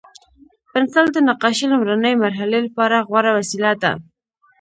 پنسل د نقاشۍ لومړني مرحلې لپاره غوره وسیله ده.